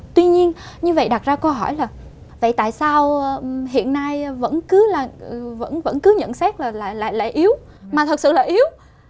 tuy nhiên như vậy đặt ra câu hỏi là tại sao hiện nay vẫn cứ nhận xét là yếu mà thật sự là yếu